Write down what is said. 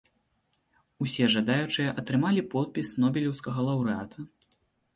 Усе жадаючыя атрымалі подпіс нобелеўскага лаўрэата.